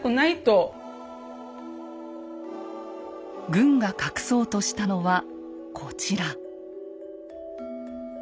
軍が隠そうとしたのはこちら。